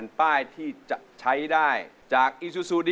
แม่อีหลากไปย้ายลูก